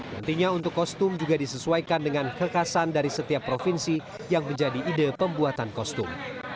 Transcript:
nantinya untuk kostum juga disesuaikan dengan kekasan dari setiap provinsi yang menjadi ide pembuatan kostum